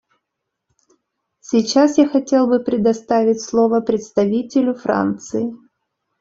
Сейчас я хотел бы предоставить слово представителю Франции.